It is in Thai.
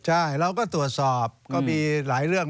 ใช่เราก็ตรวจสอบก็มีหลายเรื่อง